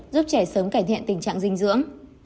giúp trẻ sớm cải thiện tình trạng dinh dưỡng